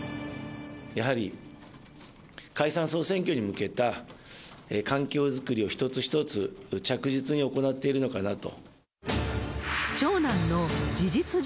やはり解散・総選挙に向けた環境作りを一つ一つ着実に行っているのかなと。